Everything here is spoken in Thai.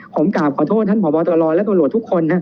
๓ผมกราบขอโทษท่านผอมครัวตลช้อนและตรุฐรทุกคน